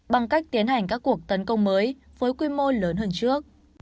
bằng cách tiến hành các cuộc tấn công mới với quy mô lớn hơn trước